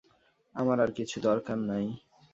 আমার আর কিছু দরকার নাই।